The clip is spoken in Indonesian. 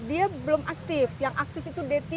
dia belum aktif yang aktif itu d tiga